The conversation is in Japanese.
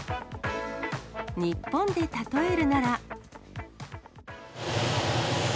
日本で例えるなら。